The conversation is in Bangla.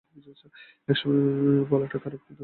এসময় বলাটা খারাপ, কিন্তু আসলে আমার কোন প্ল্যানই নেই।